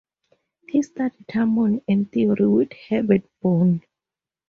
He studied harmony and theory with Herbert Bourne.